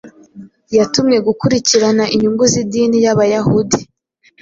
Yatumwe gukurikirana inyungu z’idini y’Abayahudi